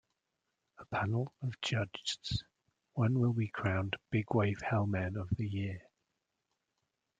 A panel of judgeds, one will be crowned "Big Wave Hellmen of the Year".